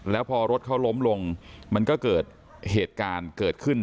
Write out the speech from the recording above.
แล้วพอรถเขาล้มลงมันก็เกิดเหตุการณ์เกิดขึ้น